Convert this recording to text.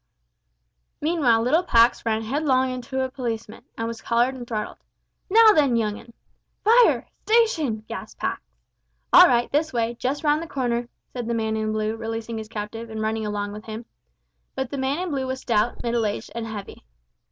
Meanwhile little Pax ran headlong into a policeman, and was collared and throttled. "Now then, young 'un!" "Fire! station!" gasped Pax. "All right, this way just round the corner," said the man in blue, releasing his captive, and running along with him; but the man in blue was stout, middle aged, and heavy.